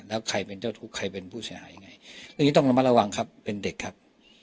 แล้วใครเป็นเจ้าทุกข์ใครเป็นผู้เสียหายยังไงเรื่องนี้ต้องระมัดระวังครับเป็นเด็กครับ